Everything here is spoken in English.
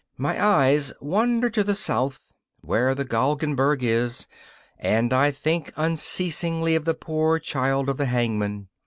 My eyes wander to the south, where the Galgenberg is, and I think unceasingly of the poor child of the hangman.